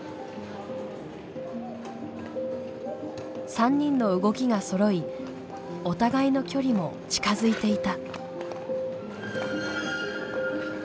３人の動きがそろいお互いの距離も近づいていた。